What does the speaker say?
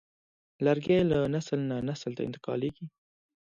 لرګی له نسل نه نسل ته انتقالېږي.